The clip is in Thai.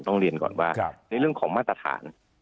ต้องเรียนก่อนว่าในเรื่องของมาตรฐาน